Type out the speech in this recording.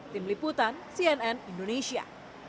tim liputan cnn indonesia